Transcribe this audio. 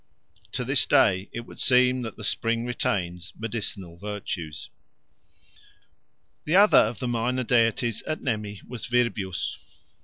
To this day it would seem that the spring retains medicinal virtues. The other of the minor deities at Nemi was Virbius.